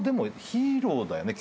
ヒーローだよね？